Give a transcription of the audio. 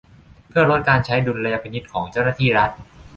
เพื่อลดการใช้ดุลยพินิจของเจ้าหน้าที่รัฐ